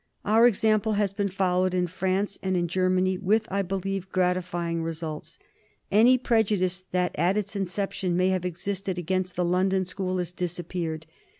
Our example has been followed in France and in Germany with, I believe, gratifying results. Any prejudice that at its inception may have existed against the London School has disappeared.